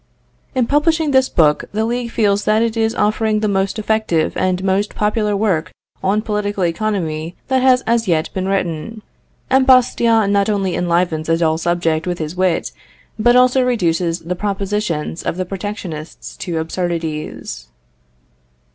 In publishing this book the League feels that it is offering the most effective and most popular work on political economy that has as yet been written. M. Bastiat not only enlivens a dull subject with his wit, but also reduces the propositions of the Protectionists to absurdities.